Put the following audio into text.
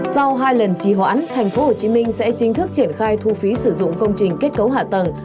sau hai lần trì hoãn thành phố hồ chí minh sẽ chính thức triển khai thu phí sử dụng công trình kết cấu hạ tầng